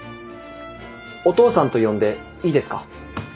お父さんと呼んでいいですか？